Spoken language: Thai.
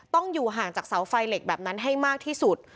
ต้องอยู่ห่างจากเสาไฟเหล็กแบบนั้นให้มากที่สุด